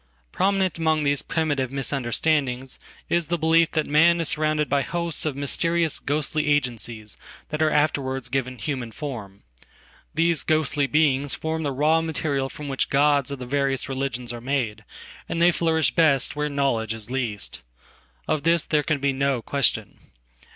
Prominent among these primitive misunderstandings is thebelief that man is surrounded by hosts of mysterious ghostlyagencies that are afterwards given human form. These ghostly beingsform the raw material from which the gods of the various religionsare made, and they flourish best where knowledge is least. Of thisthere can be no question.